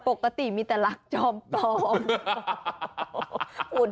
ปกติมีแต่รักจอมปลอม